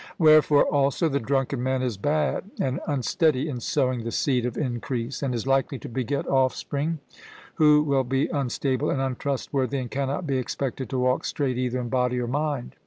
Wherefore, also, the drunken man is bad and unsteady in sowing the seed of increase, and is likely to beget offspring who will be unstable and untrustworthy, and cannot be expected to walk straight either in body or mind.